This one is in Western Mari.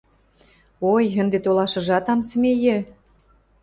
Ой, ӹнде толашыжат ам смейӹ...